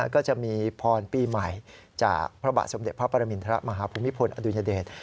ก็จะมีพรปีใหม่จากพระบาทสมเด็จพระปรมินทรมาฮภูมิพลอดุญเดช